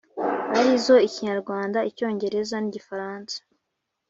arizo, ikinyarwanda, icyongereza, n’igifaransa.